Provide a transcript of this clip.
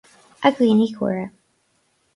A dhaoine córa,